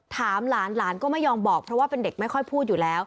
ถามหลานหลานก็ไม่ยอมบอกเพราะว่าเป็นเด็กไม่ค่อยพูดอยู่แล้ว